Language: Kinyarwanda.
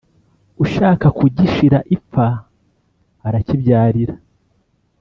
Ushaka kugishira ipfa aracyibyarira.